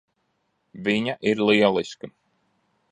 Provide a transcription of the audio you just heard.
Viņa ir lieliska.